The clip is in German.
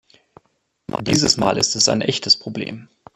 Dieses Mal ist es ein echtes Problem.